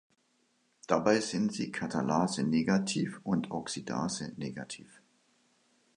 Dabei sind sie Katalase-negativ und Oxidase-negativ.